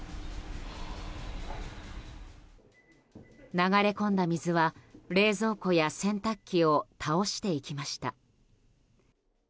流れ込んだ水は冷蔵庫や洗濯機を倒していきました。